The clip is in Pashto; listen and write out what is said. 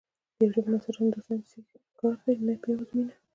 د یوې ژبې بنسټ همدا ساینسي کار دی، نه یوازې مینه.